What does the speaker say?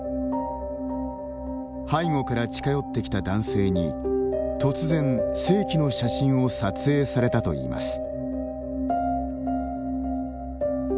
背後から近寄ってきた男性に突然、性器の写真を撮影されたといいます。